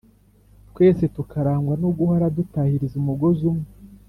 Twese tukarangwa no guhora dutahiriza umugozi umwe